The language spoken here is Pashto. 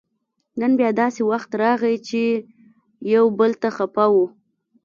نن بیا داسې وخت راغی چې یو بل ته خپه وو